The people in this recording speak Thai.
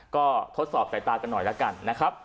ก็ทดสอบใส่ตากันหน่อยแล้วกันนะครับ